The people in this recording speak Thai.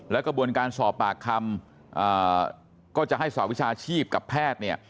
และกระบวนการสอบปากคำก็จะให้สอบวิชาชีพกับแพทย์